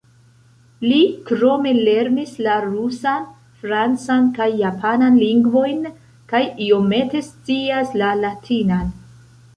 Li krome lernis la rusan, francan kaj japanan lingvojn, kaj iomete scias la latinan.